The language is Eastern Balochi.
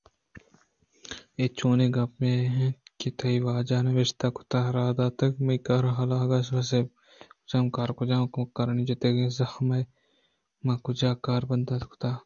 اے چونیں گپ اَنت کہ تئی واجہ ءَ نبشتہ کُتگ ءُراہ داتگ اَنت منی کار ءِ گلاہگ ءُتوسیپ ؟ کجام کارءِ ؟ کجام کمکارانی جتگیں زحم ءِ ماکجا کار بندات کُتگاں